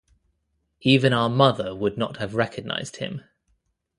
Even our mother would not have recognised him.